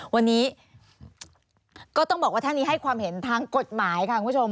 วันนี้ก็ต้องบอกว่าท่านนี้ให้ความเห็นทางกฎหมายค่ะคุณผู้ชม